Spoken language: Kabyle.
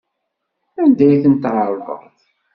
Anda ay ten-tɛerḍeḍ?